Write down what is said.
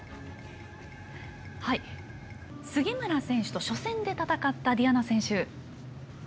杉村選手と初戦で戦ったディアナ選手。